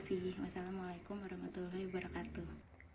wassalamualaikum warahmatullahi wabarakatuh